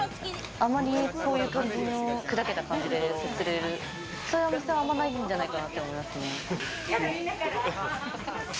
あまりこういう感じの砕けた感じで接してくれる店はあんまりないんじゃないかなと思います。